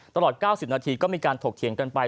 ตลอด๙๐นาทีก็มีการถกเถียงกันไป